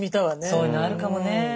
そういうのあるかもねえ。